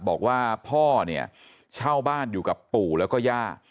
บอกว่าพ่อเนี่ยเช่าบ้านอยู่กับปู่แล้วก็ย่า